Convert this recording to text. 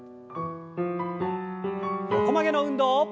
横曲げの運動。